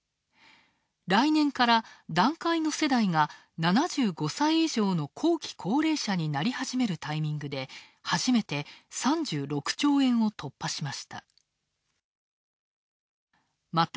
来年から団塊の世代が７５歳以上の後期高齢者になり始めるタイミングで初めて３６兆円を突破しました。